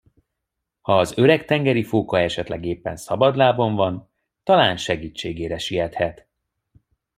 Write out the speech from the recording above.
Ha az öreg tengeri fóka esetleg éppen szabadlábon van, talán segítségére siethet.